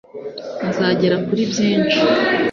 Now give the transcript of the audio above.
muzagera kuri byinshi